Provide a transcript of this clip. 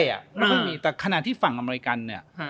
ไม่ค่อยมีแต่ขณะที่ฝั่งอเมริกันเนี่ย